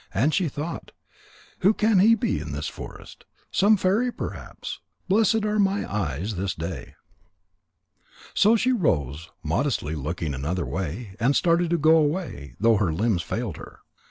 And she thought: "Who can he be in this forest? Some fairy perhaps. Blessed are my eyes this day." So she rose, modestly looking another way, and started to go away, though her limbs failed her.